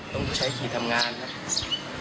ต้องใช้ขี่ทำงานครับ